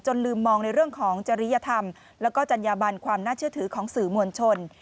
ลืมมองในเรื่องของจริยธรรมแล้วก็จัญญาบันความน่าเชื่อถือของสื่อมวลชน